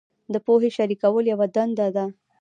د پوهې شریکول یوه دنده ده.